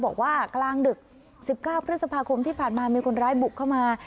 กลางดึก๑๙พฤษภาคมที่ผ่านมามีคนร้ายบุกเข้ามา